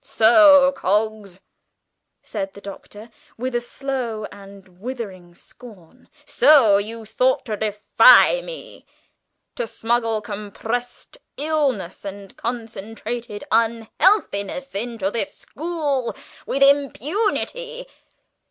"So, Coggs," said the Doctor, with a slow and withering scorn, "so you thought to defy me; to smuggle compressed illness and concentrated unhealthiness into this school with impunity?